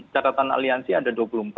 catatan aliansi ada dua puluh empat